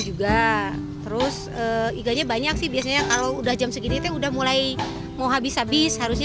juga terus iganya banyak sih biasanya kalau udah jam segini itu udah mulai mau habis habis harusnya